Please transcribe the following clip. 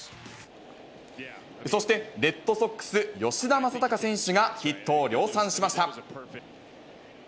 そしてレッドソックス、吉田正尚選手がヒットを量産しました。